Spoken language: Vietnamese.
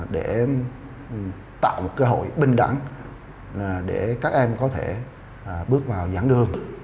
để tạo một cơ hội bình đẳng để các em có thể bước vào dãn đường